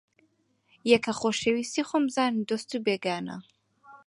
یەکە خۆشەویستی خۆم بزانن دۆست و بێگانە